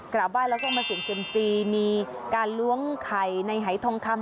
กราบไหว้แล้วก็มาเสียงเซ็มซีมีการหลวงไข่ในไหถงคำ